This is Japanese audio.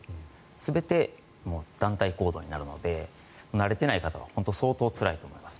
全て団体行動になるので慣れてない方は本当に相当つらいと思います。